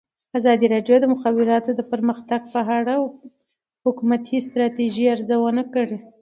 ازادي راډیو د د مخابراتو پرمختګ په اړه د حکومتي ستراتیژۍ ارزونه کړې.